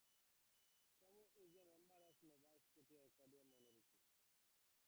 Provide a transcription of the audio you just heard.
Comeau is a member of Nova Scotia's Acadian minority.